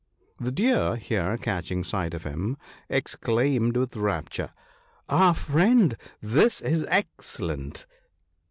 The Deer, here catching sight of him, ex claimed with rapture, " Ah, friend, this is excellent